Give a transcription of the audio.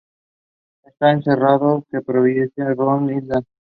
Está enterrado en Providence, Rhode Island.